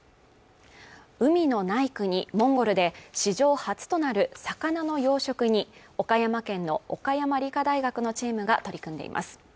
海のない国モンゴルで史上初となる魚の養殖に岡山県の岡山理科大学のチームが取り組んでいます